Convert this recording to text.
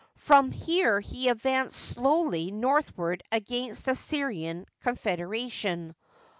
From here he advanced slowly northward against the Syrian confederation.